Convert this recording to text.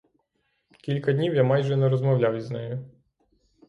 Кілька днів я майже не розмовляв із нею.